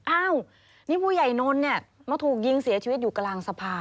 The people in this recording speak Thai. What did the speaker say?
อ้าวนี่ผู้ใหญ่นนท์เนี่ยมาถูกยิงเสียชีวิตอยู่กลางสะพาน